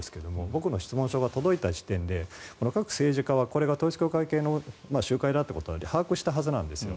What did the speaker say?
僕の質問書が届いた時点で各政治家はこれが統一教会系の集会だと把握していたはずなんですよ。